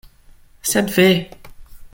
Sed, ve!